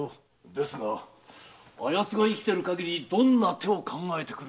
ですがあ奴が生きている限りどんな手を考えてくるか。